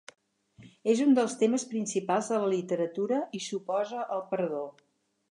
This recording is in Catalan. És un dels temes principals de la literatura i s'oposa al perdó.